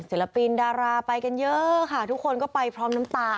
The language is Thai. ศิลปินดาราไปกันเยอะค่ะทุกคนก็ไปพร้อมน้ำตา